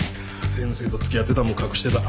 先生と付き合ってたんも隠してた。